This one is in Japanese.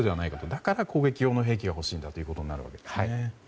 だから攻撃用の兵器が欲しいんだということになるんですね。